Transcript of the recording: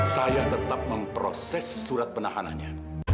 saya tetap memproses surat penahanannya